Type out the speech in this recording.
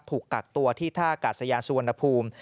ถูกกักตัวที่ท่ากาศยานสุวรรณภูมิ